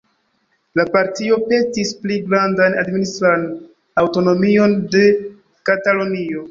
La partio petis pli grandan administran aŭtonomion de Katalunio.